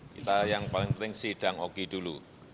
kita yang paling penting sidang oki dulu